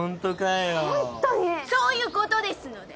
そういうことですので。